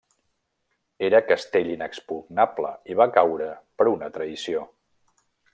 Era castell inexpugnable i va caure per una traïció.